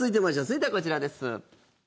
続いてはこちらです。